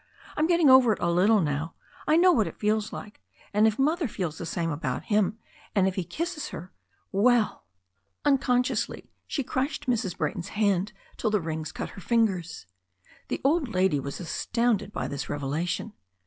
I'm getting over it a little now and I know what it feels like, and if Mother feels the same about him and if he kisses her — ^well ^" Unconsciously she crushed Mrs. Brayton's hand till the rings cut her fingers. The qld lady was astounded by this revelation.